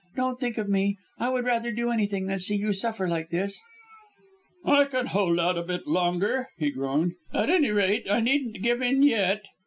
Don't think of me! I would rather do anything than see you suffer like this." "I can hold out a bit longer," he groaned, "at any rate I needn't give in yet."